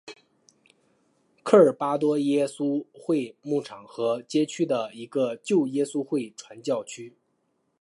科尔多巴耶稣会牧场和街区的一个旧耶稣会传教区。